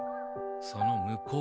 その向こう。